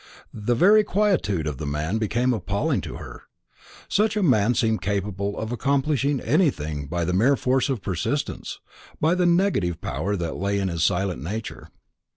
The very quietude of the man became appalling to her. Such a man seemed capable of accomplishing anything by the mere force of persistence, by the negative power that lay in his silent nature.